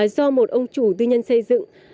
do một ông chủ tư nhân xây dựng